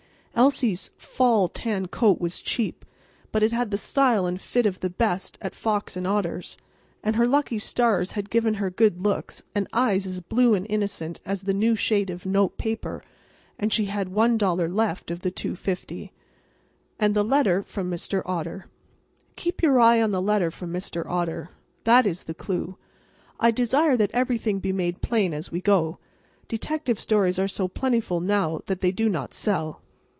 Elsie's fall tan coat was cheap, but it had the style and fit of the best at Fox & Otter's. And her lucky stars had given her good looks, and eyes as blue and innocent as the new shade of note paper, and she had $1 left of the $2.50. And the letter from Mr. Otter. Keep your eye on the letter from Mr. Otter. That is the clue. I desire that everything be made plain as we go. Detective stories are so plentiful now that they do not sell.